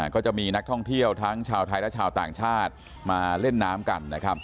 ก็จะมีนักท่องเที่ยวทั้งชาวไทยและชาวต่างชาติมาเล่นน้ำกันนะครับ